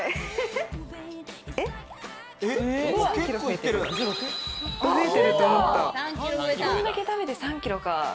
こんだけ食べて３キロか。